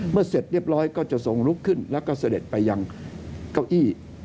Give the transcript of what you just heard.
เสร็จเรียบร้อยก็จะทรงลุกขึ้นแล้วก็เสด็จไปยังเก้าอี้